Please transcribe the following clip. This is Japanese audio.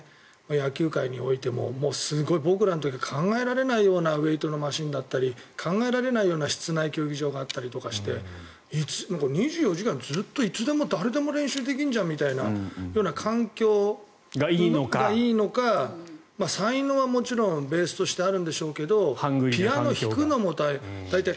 野球界においてもすごい僕らの時には考えられないようなウェートのマシンだったり考えられないような室内競技場があったりして２４時間ずっといつでも誰でも練習できるじゃんみたいな環境がいいのか才能はもちろんベースとしてあるんでしょうけどピアノ弾くのも大変。